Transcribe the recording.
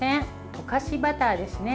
溶かしバターですね。